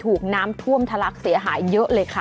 ถูกน้ำท่วมทะลักเสียหายเยอะเลยค่ะ